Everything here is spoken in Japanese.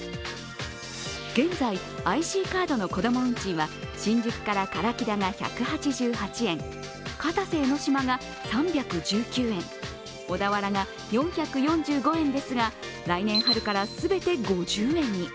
現在、ＩＣカードのこども運賃は新宿から唐木田が１８８円、片瀬江ノ島が３１９円、小田原が４４５円ですが来年春から全て５０円に。